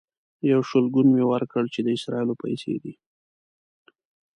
یو شلګون مې ورکړ چې د اسرائیلو پیسې دي.